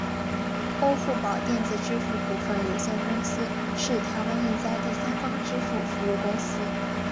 欧付宝电子支付股份有限公司是台湾一家第三方支付服务公司。